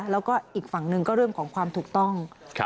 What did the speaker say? แล้วก็อีกฝั่งหนึ่งก็เรื่องของความถูกต้อง